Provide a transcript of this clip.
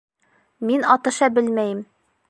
Мин атыша белмәйем.